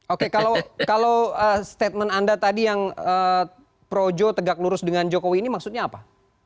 oke kalau statement anda tadi yang projo tegak lurus dengan jokowi ini maksudnya apa